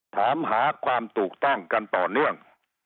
ถามหาความถูกต้องกันต่อเนื่อง